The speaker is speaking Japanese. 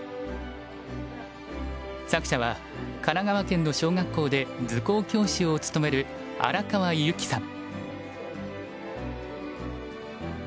作者は神奈川県の小学校で図工教師を務める荒川由貴さん。